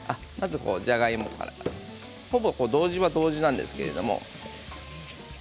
じゃがいもから、ほぼ同時は同時なんですけれどもね。